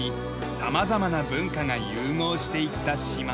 様々な文化が融合していった島。